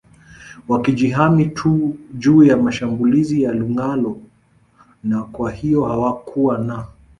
wakijihami tu juu ya mashambulizi ya lugalo na kwahiyo hawakuwa na